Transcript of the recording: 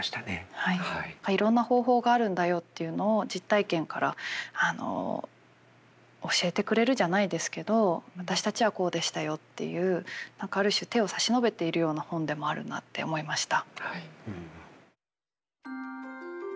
いろんな方法があるんだよっていうのを実体験から教えてくれるじゃないですけど私たちはこうでしたよっていうある種手を差し伸べているような本でもあるなって思いました。